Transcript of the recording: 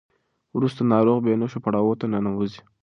وروسته ناروغ بې نښو پړاو ته ننوځي.